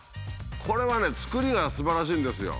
これはね作りがすばらしいんですよ。